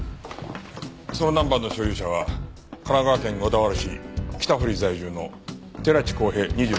そのナンバーの所有者は神奈川県小田原市北掘在住の寺地康平２９歳でした。